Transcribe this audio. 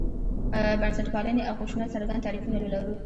بنسټپالنې او خشونت څرګند تعریفونه ولرو.